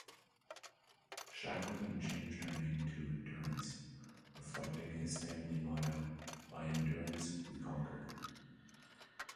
Shackleton changed her name to "Endurance", reflecting his family motto "By endurance we conquer".